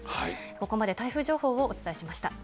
ここまで台風情報をお伝えしました。